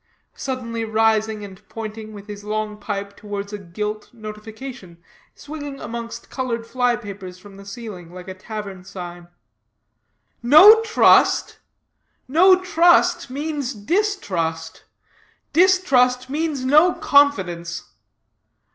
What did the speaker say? suddenly rising, and pointing, with his long pipe, towards a gilt notification swinging among colored fly papers from the ceiling, like a tavern sign, "No Trust?" "No trust means distrust; distrust means no confidence.